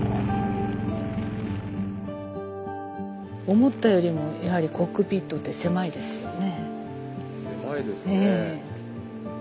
思ったよりもやはりコックピットって狭いですよね。